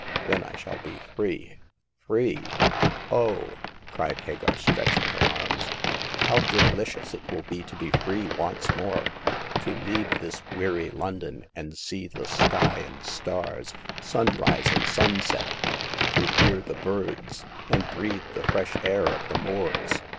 Then I shall be free— free ! Oh !" cried Hagar, stretching her arms, how delicious it will be to be free once more— to leave this we^ry Lowdou, and see the The Passing of Hagar. 281 sky and stars, sunrise and sunset — to hear the birds, and breathe the fresh air of the moors